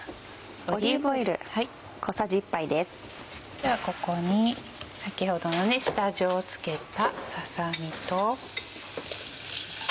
ではここに先ほどの下味を付けたささ身と。